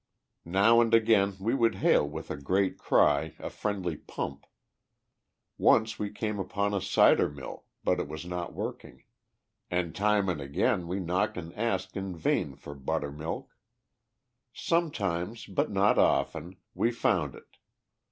Now and again we would hail with a great cry a friendly pump; once we came upon a cider mill, but it was not working, and time and again we knocked and asked in vain for buttermilk. Sometimes, but not often, we found it.